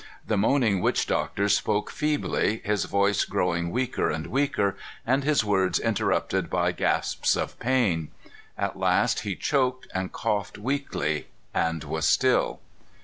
The moaning witch doctor spoke feebly, his voice growing weaker and weaker, and his words interrupted by gasps of pain. At last he choked and coughed weakly and was still.